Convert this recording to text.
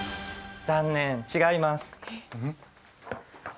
残念違います。